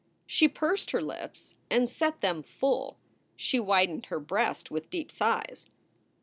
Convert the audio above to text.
She pursed her lips and set them full. She widened her breast with deep sighs.